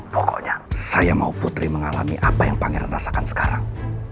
pokoknya saya mau putri mengalami apa yang pangeran rasakan sekarang